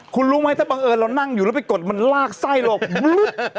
คุณรู้มั้ยถ้าเรานั่งอยู่แล้วไปกดมันตราบทิศแล้ว